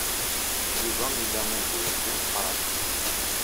Yuba ila uguren d imeqranen.